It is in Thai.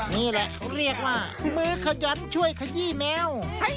นี่แหละเขาเรียกว่ามือขยันช่วยขยี้แมว